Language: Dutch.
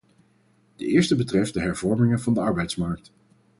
De eerste betreft de hervormingen van de arbeidsmarkt.